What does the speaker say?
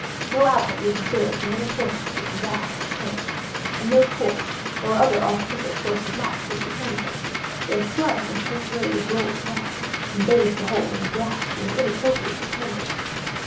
No outlet was observed in any portion of its vast extent, and no torch, or other artificial source of light was discernible; yet a flood of intense rays rolled throughout, and bathed the whole in a ghastly and inappropriate splendor.